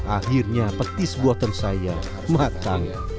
akhirnya petis buatan saya matang